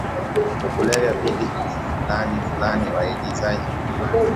kulevya pindi fulanifulani Waigizaji wengi